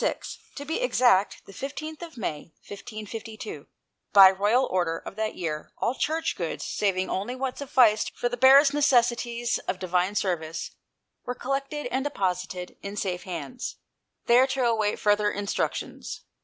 — to be exact, the 15th May, 1552. By a royal order of that year, all Church goods, saving only what sufficed for the barest necessities of 147 GHOST TALES. Divine Service, were collected and deposited in safe hands, there to await further in structions.